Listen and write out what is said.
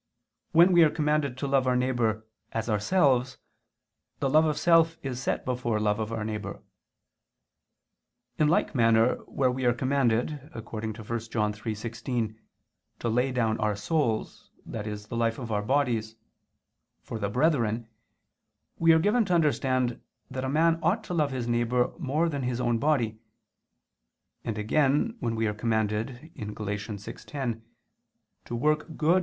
When we are commanded to love our neighbor "as ourselves," the love of self is set before love of our neighbor. In like manner where we are commanded (1 John 3:16) "to lay down our souls," i.e. the life of our bodies, "for the brethren," we are given to understand that a man ought to love his neighbor more than his own body; and again when we are commanded (Gal. 6:10) to "work good